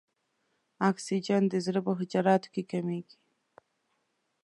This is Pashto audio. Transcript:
اکسیجن د زړه په حجراتو کې کمیږي.